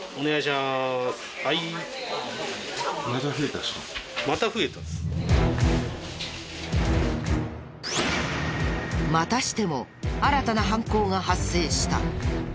またしても新たな犯行が発生した。